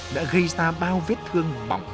đã gây ra bao vết thương bỏng